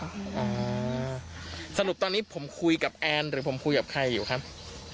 อ่าสรุปตอนนี้ผมคุยกับแอนหรือผมคุยกับใครอยู่ครับ